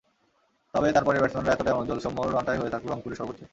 তবে তাঁর পরের ব্যাটসম্যানরা এতটাই অনুজ্জ্বল, সৌম্যর রানটাই হয়ে থাকল রংপুরের সর্বোচ্চ।